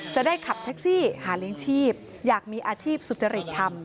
จะได้ขับแท็กซี่หาเลี้ยงชีพอยากมีอาชีพสุจริตทำ